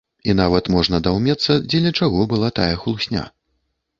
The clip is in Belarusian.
І нават можна даўмецца, дзеля чаго была тая хлусня.